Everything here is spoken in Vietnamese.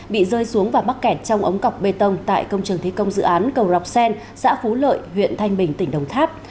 bị rơi xuống và bắt kẹt trong ống cọc bê tông tại công trường thí công dự án cầu rọc sen xã phú lợi huyện thanh bình tỉnh đồng tháp